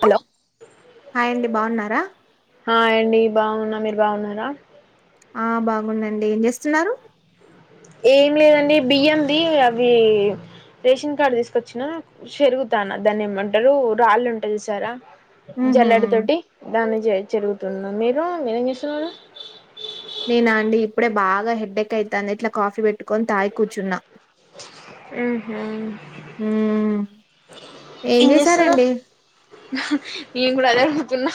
Hello hi అండి బావున్నారా hi అండి బావున్నా, మీరు బావున్నారా ఆ బాగున్నండి, ఏం జేస్తున్నారు? ఏం లేదండి బియ్యంది అవీ రేషన్ కార్డు దీసుకొచ్చినా షేరుగుతానా దాన్నే మంటరూ రాళ్ళు ఉంటయి చుసారా ఉహు జల్లెడ తోటి దాన్ని జె జెరుగుతున్నా మీరూ మీరేం జెస్తున్నరు నేనా అండి ఇప్పుడే బాగ హెడేక్ అయితాంది, ఇట్ల కాఫీ బేట్టుకొని తాగీ కూర్చున్నా. ఉమ్ హు ఉమ్ ఏం చేశారండి నేన్ గూడ అదే అడుగు తున్న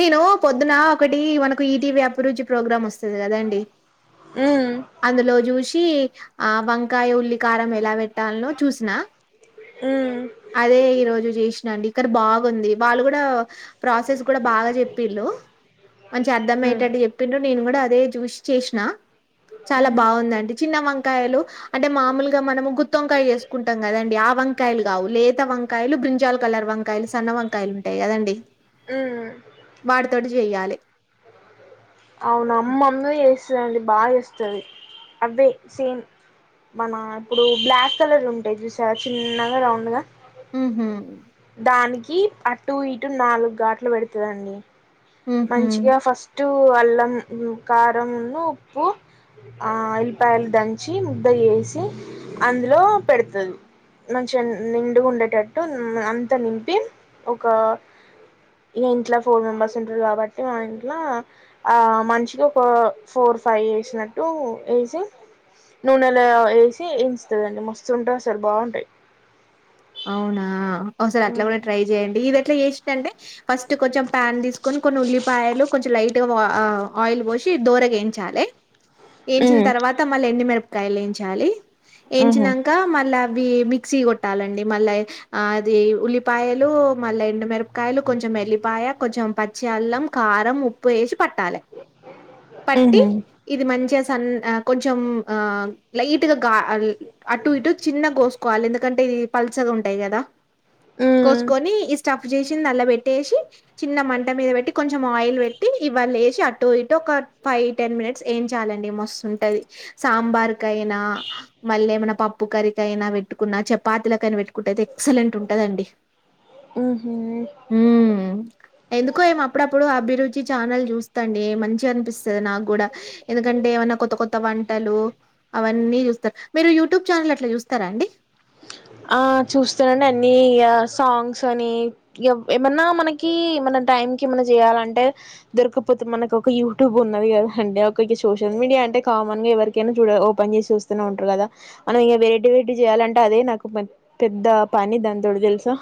నేను పొద్దున ఒకటి మనకు ఈటీవీ అభిరుచి ప్రోగ్రాం ఒస్తది గదండి ఉమ్ అందులో జూసి ఆ వంకాయ ఉల్లి కారం ఎలా బెట్ ట్టాల్నో చూసిన ఉమ్ అదే ఈ రోజు చేసినండి క్కని బాగుంది వాళ్ళు గుడా ప్రాసెస్ కూడా బాగ చెప్పిళ్లు మంచిగ ఉమ్ అర్థమయేటట్టు చెప్పిండ్రు నేను గుడా అదే జాస్ చేసినా చాలా ఉహు బావుందండి చిన్న వంక్ కాయలు అంటే మాములుగ మనం గుత్తోమ్కాయ చేసుకుంటాం కదండి ఆ వంకాయలు జాల్ కలర్ వంకాయలు సన్న వంకాయలు ఉంటాయి గదండి ఉమ్ వాటితోటి జెయ్యాలె. అవునా అ మ్మమ్మే చేస్తదండి బాగా చేస్తది అవ్వే సేమ్ మన ఇప్పుడు బ్లాక్ కలర్ ఉంటయి జూసారా చిన్నగ రౌండ్ గ ఉమ్ హు దానికి అటు ఇటు నాలుగు గాట్లు పెడుతదండి, హుహు. మంచిగ ఫస్ట్ పు అల్లం కారం ను ఉప్పు ఆ ఎల్లిపాయలు దంచి ముద్ద జేసి అందులో పెడతది మంచిగ నిండుగుండేటట్టు అంత నింపి ఒకా ఇగ ఇంట్ల ఫోర్ మెంబర్స్ తింటరు కాబట్టి ఇంట్ల ఆ మనిషిగి ఒక ఫోర్ ఫైవ్ ఏసినట్టు తెజ నూనెల ఏసి యేయించుతదండి మస్తుంటదసలు బావుంటయి. అవునా ఒకసారి అట్లా గుడ ట్రై జేయండి ఇదెట్ల చేసింరంటె ఫస్ట్ కొంచెం ప్యాన్ తీసుకొని కొన్ని ఉల్లిపాయలు కొంచెం లైట్ గ వా ఆయిల్ పోషి దోరగేయించ చాలే ఏయించిన్తర్వాత మళ్ళ ఎండుమిరపకాయలు ఏయించాలి, ఉహు యేంచినంక మళ్ళా అవీ మిక్సీ గొట్టాలండి మళ్ళ అదీ ఉల్లిప్ పాయలు మళ్ళ ఎండు మిరపకాయలు కొంచెం ఎల్లిపాయ కొంచెం పచ్చి అల్లం కారం ఉప్పు ఏసి పట్టాలె పట్టి ఉహు ఇది మంచిగస్ సన్ కొంచెం ఆ లైట్గ గా అటు ఇటు చిన్నగోసుకోవాలి ఎందుకంటే ఇది పల్సగుంటయి గదా ఉమ్ కోసుకొని ఈ స్టఫ్ చేసిందల్ల బేట్టేసి చిన్న మంట మీద పెట్టి, కొంచెం ఆయిల్ పెట్టి ఇవళ్ళేసి అటు ఇటు ఒక ఫైవ్ టెన్ మినిట్స్ ఎయిమ్చాలండి మస్తుంటది సాంబార్ కైనా మళ్ళేమన పప్పు కరికయినా పెట్టుకున్నా చపాతిలక్ కని పెట్టుకుంటయితే ఎక్సలెంట్ ఉంటదండి. ఉమ్ హు ఉమ్ ఎందుకో ఏమొ అప్పుడప్పుడు అభిరుచి చానల్ చూస్తాండి మంచిగ చిగనిపిస్తది నాగ్గుడా ఎందుకంటే ఏమన్న కొత్త కొత్త వంటలు అవన్నీ చూస్తా మీరు యూట్యూబ్ ఛానల్ అట్ల చూస్తరా అండి ఆ చూస్తనండి అన్ని గ సాంగ్స్ అని ఏ ఏమన్నా మనకి ఏమన్న టైమ్ కి ఏమన్న జేయాలంటే దొరక్కపోతే మనకొక యూట్యూబ్ ఉన్నది గద అండి, ఒక గి సోషల్ మీడియా అంటే కామన్ గ ఎవరికైనా చూడా ఓపెన్ చేసి చూస్తనే ఉంటరు గద, మనం ఇగ వెరైటి వెరైటి చేయాలంటే అదే నాకు పెద్ద పని దాని తోడు తెలుసా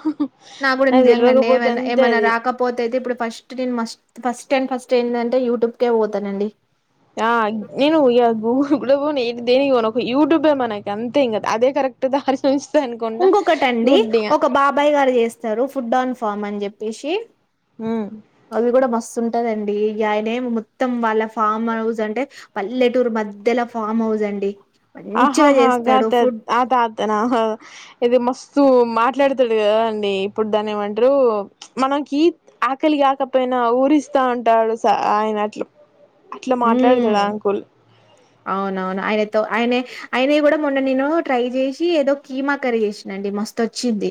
నా కూడా నాకు నిజంగా అండి తెల్వకపోతే ఏమన్నా అంతే ఏమైన్నా అది రాకపోతే అయితే ఇప్పుడు ఫస్ట్ నేను మస్ట్ ఫస్ట్ డ్ ఫస్ట్ ఏంటే యూట్యూబ్కే పోతానండి ఆ నేనుఊ కూడా బో దేని ఒక యూట్యూబే మన అంతేం కద అదే కరెక్ట్ ద అంది ఇంకొకటిండి ఒక బాబాయ్ గారు చేస్తారు ఫుడ్ ఆన్ ఫామ్ అని చెప్పేసి హ్మ్ అవి కూడా మస్ ంటదండి ఇ ఆయనే మొత్తం వాళ్ళ ఫామ్ హౌస్ అంటే పల్లెటూరు మధ్యలో ఫామ్ హౌస్ జండి ఆహాహా గత అత అతనా ఇది మస్త సూ మాట్లాడుతాడు కదా అండి ఇప్పుడు దాన్ని ఏమంటారు మనకి ఆకలికి కాకపోయినా ఊరిస్తా ఉంటాడు ఆయన అట్లు హ అవునవును ఆయనతో ఆయనే అయినే కూడా మొన్న నేను ట్రై చేసి ఏదో కీమా కర్రీ జెసిన అండి మస్తు వచ్చింది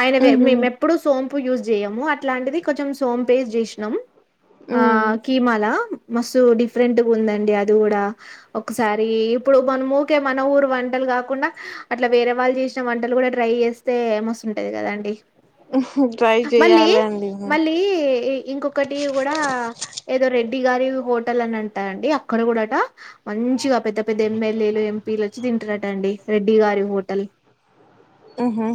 ఆయన ఉహు మేము ఎప్పుడు సోంపు యూజ్ చేయము అట్లాంటిది కొంచెం సోంపే చేసినాము ఆ కీమాన మస్ డిఫరెంట్ గా ఉందండి అది కూడా ఒకసారి ఇప్పుడు మన మూకే మన ఊరు వంటలు కాకుం కుండా అట్లా వేరే వాళ్ళు చేసిన వంటలు కూడా ట్రై చేస్తే ఏ వస్తుంటది కదాండి ఉ హు మళ్ళీ మళ్ళీ ఇంకొకటి గుడా ఏదో రెడ్ బిగారివు బొ పట్టలని అంటా అండి అక్కడ కూడాట మంచిగా పెద్ద పెద్ద ఎమ్మెల్యేలు ఎంపీలు వచ్చి తింటున్నట అండి రెడ్డి గారి హోటల్ ఆహా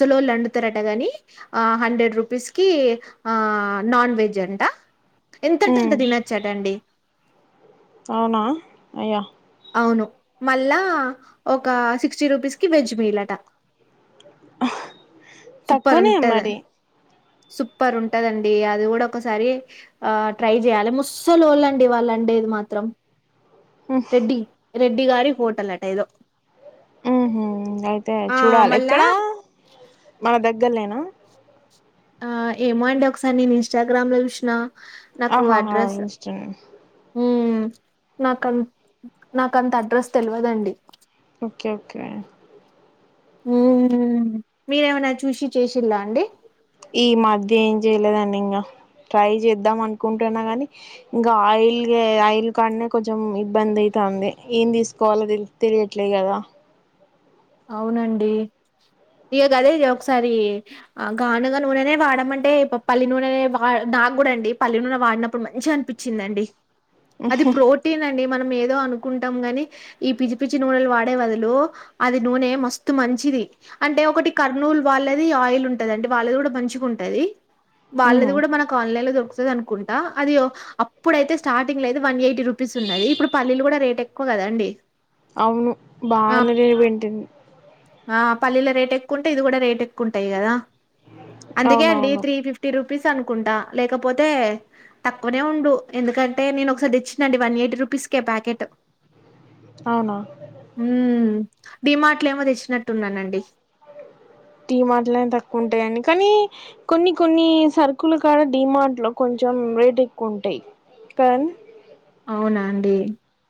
సలోలు వండుతారట గాని హండ్రెడ్ రూపీస్ కి ఆ నాన్ వెజ్ అంట ఎంతర్త ఉ అంత దిన అవునా అయ్యో అవును మళ్ళా ఒక సిక్స్టీ రూపీస్కి వెజ్ మీిలట సూపర్ తక్కువనే ఉంటదా మరి సూపర్ ఉంటదండి అది కూడా ఒకసారి ఆ ట్రై చేయాలి ముస్ తోలోలు అండి వాళ్ళండి వాళ్ళండి ఏది మాత్రం ఉఫ్ రెడ్డి రెడ్డి గారి హోటల్ అట ఇదో ఉహ అయితే చూడాలి మళ్ళా ఎక్కడా మన దగ్గరలేనా ఆ ఏమో అండి ఒకసారి నేను ఇన్స్టాగ్రామ్ లో చూసిన నాకు ఆహాహా అడ్రస్ ఇన్స్టా నాకుంత నాకంత అడ్రస్ తెలువదండి ఓకే ఓకే మీరేమనా చూసి చేసిల్లా అండి ఈ మధ్య ఏం జలేదాన్నిడి ఇంగా ట్రై చేద్దాం అనుకుంటున్నా గాని ఇంకా ఆయిల్ ఆయిల్ కాడనే కొంచెం ఇబ్బంది అయి తాన్ది ఏం తీసుకోవాలో తెలియట్లే కదా అవునండి ఇ కద ఇ ఒకసారి గానుగా నూనెనే వాడమంటే పల్లి నూనె వా నా కూడా అండి పల్లి నూనె వాడినప్పుడు మంచిగా అనిపించిందిండి అది ప్రోటీన్ అండి మనం ఏదో అనుకుంటాం గని ఈ పిచ్చి పిచ్చి నూనెలు వాడే బదులు అది నూనె మస్తుత్ మంచిది అంటే ఒకటి కర్నూలు వాళ్ళది ఆయిల్ ఉంటది అండి వాళ్ళది కూడా మంచుకుంటు టది వాళ్ళది ఉహు కూడా మనకు ఆన్లైన్ లో దొరుకుతుంది అనుకుంటా అది అప్పుడైతే స్టార్టింగ్ లో అయితే వన్ ఎయిట్ ఫిఫ్టీ రూపీస్ ఉన్నది ఇప్పుడు పల్లీలు కూడా రేటు ఎక్కువ కద అండి. అవును బావున్నదే వింటుంది. ఆ పల్లీల రేటు ఎక్కువ ఉంటాయి ఇది కూడా రేట్ ఎక్కువంటాయి కదా. అందుకే అండి అవునవును త్రీ ఫిఫ్టీ రూప్ పీస్ అనుకుంటా లేకపోతే తక్కువనే ఉండు ఎందుకంటే నేను ఒకసారి తెచ్చినాటి వన్ ఎయిట్ రూపీ పిస్కే ప్యాకెట్ అవునా మ్మ్ డిమార్ట్లో ఏమో తెచ్చినట్టున్నానండి. డి మార్ట్ల ఏం తక్కువ ఉంటాయ్ అన్ని కానీ కొన్ని కొన్ని సరుకులు కాడ డీ మార్ట్ లో కొన్ చెం రేట్ ఎక్కువుంటాయ్ కన్ అవునా అండి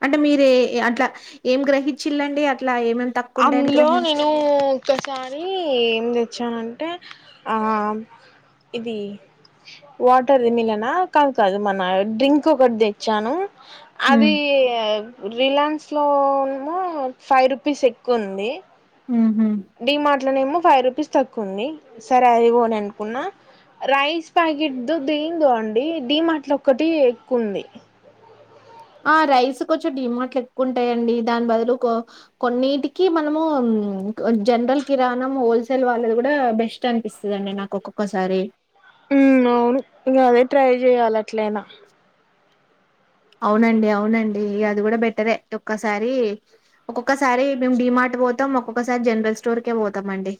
అంటే మీరే అట్లా ఏం గ్రహించిళండి అట్లా ఏమేం అందులో నేను ఒకసారి ఏం లేద్ వచ్చా అంటే ఆ ఇది వాటర్ది మిలనా కాదు కాదు మన డ్రింక్ ఒకటి తెచ్చాను. అది మ్మ్ రిలయన్స్ లో నేమో ఫైవ్ రూపీస్ ఎక్ కొంది మ్హూ డి మార్ట్ లోనే ఏమో ఫైవ్ రూపీస్ తక్కువంది సరే అదిగోని అనుకున్నా రైస్ ప్యాకెట్ దేందో అండి డి మాట్ల ఒక్కటి ఎక్కుఉంది. ఆ రైస్ కొంచెం డిమార్ట్ లో ఎక్కువ ఉంటాయండి దాని బదులు కొన్నిటికి మనము ఇంక్ జనరల్ కిరాణం హోల్సేల్ వాళ్ళది కూడా బెస్ట్ అనిపిస్తదండి నాకు ఒక్కొక్కసారి. ఉ అవును ఇంక అదే ట్రై చెయాల అట్లయిన. అవునండి అవునండి అది కూడా బెటరే ఒక్కసారి ఒక్కొక్కసారి మేము డిమార్ట్ పోతాం ఒక్కొక్కసారి జనరల్ స్టోర్కే పోతాం అండి.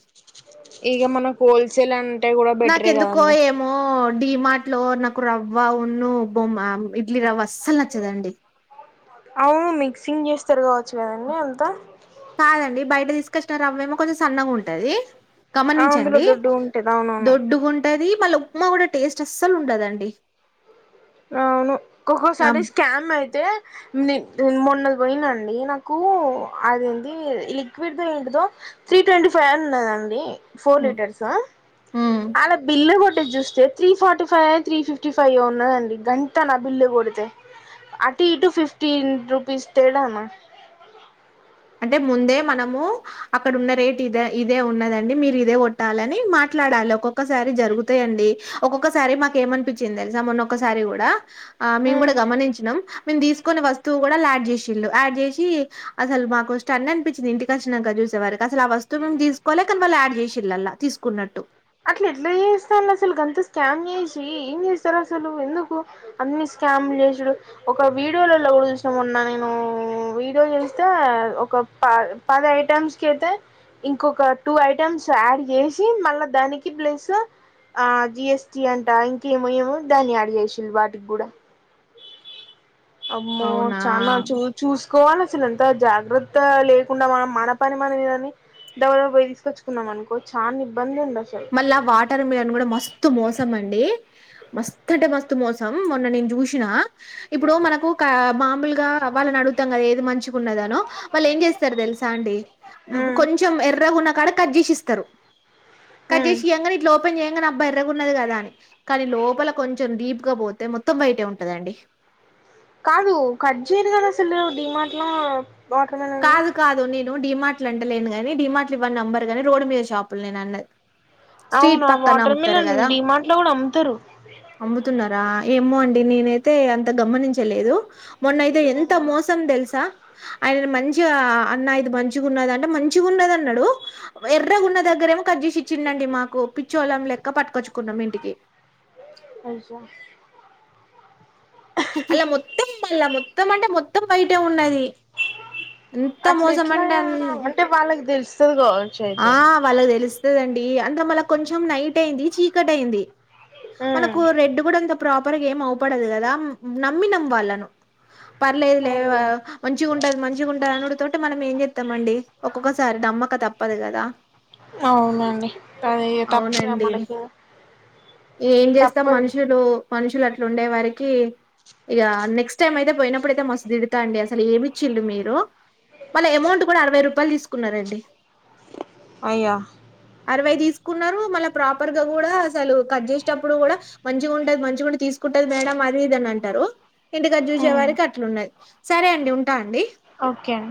ఇగ మనకు హోల్సేల్ అంత నాకెందుకో ఏమో డీమాార్ట్ లో నాకు రవ్వ ఉన్ను బొంబా ఇడ్లీ రవ్వ అస్సలు నచ్చదండి. అవును మిక్సింగ్ చేస్తారు కావచ్చు కదండి అంత కాదండి బయట తీసుకొచ్చిన రవ్వేమో కొంచెం సన్నగ ఉంటది. ఆ అందులో గమనించండి దొడ్డు ఉంటది అవునవును దొడ్డుగుంటది. మళ్ళ ఉప్మా కూడా టేస్ట్ అస్సలు ఉండదండి. అవును ఆ ఒక్కక్కోసారి స్కామ్ అయితే నే నేన్ మొన్న పోయినా అండి నాకు అదేంది లిక్విడ్ దో ఏంటిదో త్రీ ట్వంటీ ఫైవ్ అని ఉన్నదండి ఫోర్ హ్మ్ లీటర్సు ఉ హ్మ్ ఆళ్ల బిల్లు కొట్ [unintelligible] చూస్తే త్రీ ఫార్టీ ఫైవ్ ఓ త్రీ ఫిఫ్టీ ఫైవ్ ఓ ఉన్నదండి. గంటా నా బిల్ కొడితే అటు ఇటూ ఫిఫ్టీ రుపీస్ తేడానా అంటే ముందే మనము అక్కడ ఉన్న రేట్ ఇదే ఇదే ఉన్నదండి మీరు ఇదే కొట్టాలని మాట్లాడా అలా ఒక్కొక్కసారి జరుగుతాయండి ఒక్కొక్కసారి మాకు ఏమనిపించింది తెలుసా మొన్నొక్కసారి కూడా ఆ మేము కూడా గమనించినం మేము తీసుకోనీ వస్తువు కూడా యాడ్ చేసిళు యాడ్ చేసి అసలు మాకు కొంచ్ స్టన్ అనిపిచింది ఇంటికి వచ్చినాక చూసే వరకి అసలు ఆ వస్తువుని తీసుకోలే కానీ వాళ్ళు యాడ్ చేసిలల్లా తీసుకున్నట్టు. అట్ల ఎట్లా చేస్తానరు అసలు గంత స్కామ్ చేసి ఏం చేస్తారు అసలు ఎందుకు అన్ని ఇస్ స్కామ్ చేసుడు ఒక వీడియో లల్లో కూడా చూసినా మొన్న నేను వీడియో చూస్తే ఒక ప పది ఐటమ్స్ కయితే ఇంకొక టూ ఐటమ్స్ యాడ్ చేసి మళ్ళా దానికి ప్లసు ఆ జి ఎస్టి అంట ఇంకేమో ఏమో దాన్ని యాడ్ చేసిండు వాటికి కూడా. అమ్మో అవునా చానా చూ చూసుకోవాలే అసలు ఎంత జాగ్రత్త లేకుండా మనం మన పని మనదిఇదని డౌనుకు పోయి తీసుకొచ్చకున్నాం మనుకో చాన ఇబ్బంది ఉండ మళ్ళా వాటర్ మిలన్ కూడా మస్త్ తూ మోసం అండి. మస్తు అంటే, మస్తు మోసం మొన్న నేను చూసినా. ఇప్పుడు మనకు కా మాముల్గా వాళ్ళని అడుగుతాం కదా. ఏది మంచ్ గున్నదనో. వాళ్లేం చేస్తారు తెలుసా అండి. మ్మ్ ఉమ్ కొంచెం ఎర్రగున కాడ కట్ చేసిస్తారు. కట్ ఉమ్ చేసియంగానే ఇట్లా ఓప్ పెన్ చేయంగనే అబ్బా ఎర్రగున్నది గదా అని. కానీ లోపల కొంచెం డీప్ గా బోతే మొత్తం. వైటే ఉంటదండి. కాదు కట్జేర్ గాదసల్, డీ మార్ట్లా, వాట్ర్ మిలన్నీ ను డీ మార్ట్లా అంటలేనుగాని. డీ మార్ట్ల ఇవన్ని అంబరు గానీ, రోడ్ మీద షాపులు నేనన్నది స్ట్రీట్ అవునా పక్కన వాటర్ అమ్తారు మిలన్ కదా. డిమార్ట్ లో కూడా అమ్ముతారు అమ్ముతున్నారా! ఏమో అండి నేనైతే అంత గమనించలేదు. మొన్నాయితే ఎంత మోసం తెలుసా? ఆయననీ మ మంచిగా అన్నా ఇది మంచిగున్నదా అంటే. మంచిగున్నది అన్నాడు. ఎర్రగున్న దగ్గరేమో కట్జెసి ఇచ్చిన్ డండి మాకు పిచ్చోలం లెక్క పట్టుకొచ్చుకున్నాం. ఇంటికి అయ్యో అళ్లా మొత్తం, మళ్ళ మొత్తం అంటే, మొత్తం వైటే ఉన్నది. ఎంత అట్ల మోసం ఎట్లా అంటే గా అం అంటే వాళ్ళకి దేలుస్తది. గావ్ ఆ వాళ్ళకు తెలుస్తదండి. అంత మళ్ళ కొంచెం నైట్ అయింది, చీకట్ అయింది. మనకు రెడ్ గూడంత ప్రాపర్గా ఏం ఆవుపడదు కదా. నమ్మినం వాళ్ళను పర్లేదు లే వ అయ్యో మంచిగుంటది, మంచిగుంటది అనుడుతోటే మనం ఏం చేతం అండి. ఒక్కొక్కసారి నమ్మక తప్ అవునాండి. అది ఇగ తప్తద అవునండి మనకింగ ఏం జేస్తాం. మనుషులు మనుషులట్ల ఉండే మరి. కి ఇగా నెక్స్ట్ టైం అయితే పోయినప్పుడయితే. మస్త్ దిడుతా అండి. అసలు ఏమిచ్చిల్ళు మీరు? మళ్ళ అమౌంట్ కూడా అరవై రూపాయలు తీసుకున్నారండి. అయ్యా అరవై తీసుకున్నారు. మళ్ళ ప్రాపర్గా గూడా అసలు కట్ చేసేటప్పుడు గూడా మంచిగుంటది, మంచిగుంటది, తీస్ కుంటాది మేడం. అది ఇది అని అంటారు. ఇంటికచి చూసే వారికి అట్లున్నది. సరే అండి ఉంటా అండి. ఓకే అండి